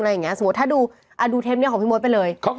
อะไรอย่างเงี้ยสมมุติถ้าดูเทปนี้ของพี่โมดไปเลย